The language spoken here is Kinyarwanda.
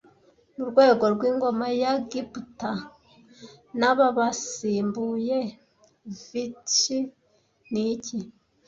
Mu rwego rw'ingoma ya Guptas n'ababasimbuye, Vishti ni iki